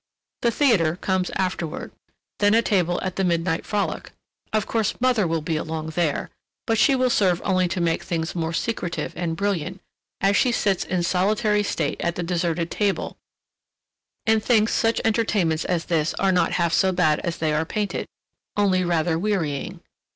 The theatre comes afterward; then a table at the Midnight Frolic—of course, mother will be along there, but she will serve only to make things more secretive and brilliant as she sits in solitary state at the deserted table and thinks such entertainments as this are not half so bad as they are painted, only rather wearying.